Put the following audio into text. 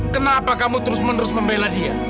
kenapa kamu terus menerus membela dia